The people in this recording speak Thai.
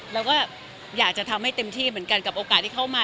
เราก็อยากจะทำให้เต็มที่เหมือนกันกับโอกาสที่เข้ามา